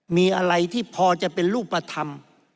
มีอะไรที่พอจะเป็นรูปธรรม